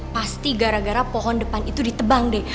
pasti gara gara pohon depan itu ditebang deh